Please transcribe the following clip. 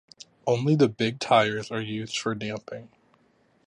Only the big tires are used for damping.